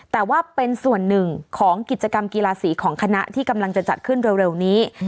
แต่ว่าเป็นส่วนหนึ่งของกิจกรรมกีฬาสีของคณะที่กำลังจะจัดขึ้นเร็วนี้